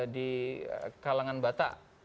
di kalangan batak